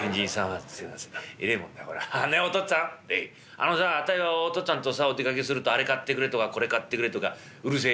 「あのさあたいはお父っつぁんとさお出かけするとあれ買ってくれとかこれ買ってくれとかうるせえ？」。